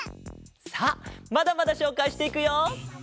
さあまだまだしょうかいしていくよ！